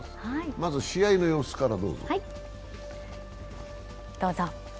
まず、試合の様子からどうぞ。